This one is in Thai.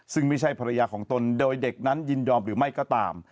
ซึ่งไม่ใช่ภรรยาของตนโดยเด็กนั้นยินยอมหรือไม่ก็ตาม